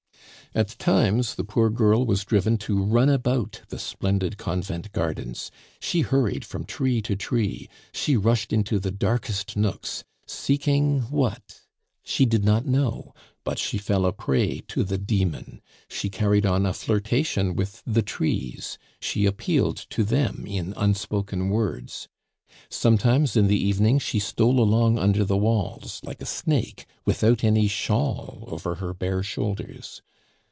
At times the poor girl was driven to run about the splendid convent gardens; she hurried from tree to tree, she rushed into the darkest nooks seeking? What? She did not know, but she fell a prey to the demon; she carried on a flirtation with the trees, she appealed to them in unspoken words. Sometimes, in the evening, she stole along under the walls, like a snake, without any shawl over her bare shoulders.